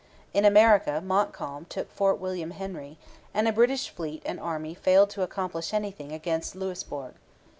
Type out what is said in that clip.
In America Montcalm took Fort William Henry, and a British fleet and army failed to accomplish anything against Louisbourg.